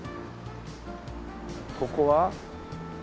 ここは。